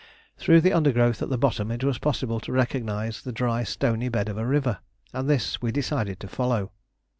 Through the undergrowth at the bottom it was possible to recognise the dry stony bed of a river, and this we decided to follow.